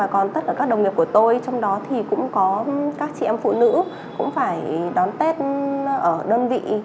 các đồng nghiệp của tôi trong đó thì cũng có các chị em phụ nữ cũng phải đón tết ở đơn vị